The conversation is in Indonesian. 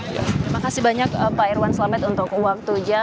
terima kasih banyak pak irwan selamet untuk waktu saja